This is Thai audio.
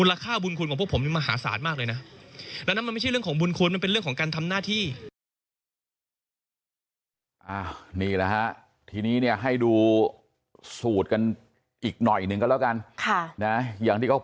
แล้วนั้นมันไม่ใช่เรื่องของบุญคุณมันเป็นเรื่องของการทำหน้าที่